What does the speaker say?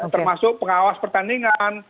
termasuk pengawas pertandingan